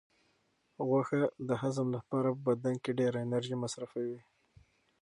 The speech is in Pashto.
غوښه د هضم لپاره په بدن کې ډېره انرژي مصرفوي.